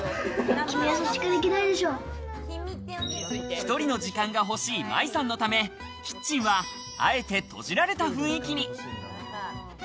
１人の時間が欲しい五月さんのため、キッチンはあえて閉じられた雰囲気に。